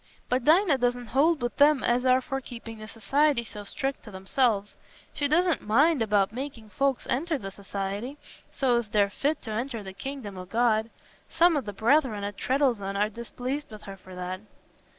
But Dinah doesn't hold wi' them as are for keeping the Society so strict to themselves. She doesn't mind about making folks enter the Society, so as they're fit t' enter the kingdom o' God. Some o' the brethren at Treddles'on are displeased with her for that."